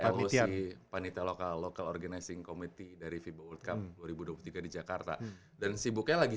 evaluasi panitia local organizing committee dari fiba world cup dua ribu dua puluh tiga di jakarta dan sibuknya lagi